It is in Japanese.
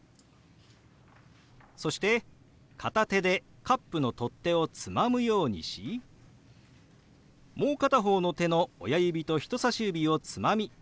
そして片手でカップの取っ手をつまむようにしもう片方の手の親指と人さし指をつまみかき混ぜるように動かします。